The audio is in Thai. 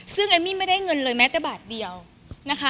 ซึ่งเอมมี่ไม่ได้เงินเลยแม้แต่บาทเดียวนะคะ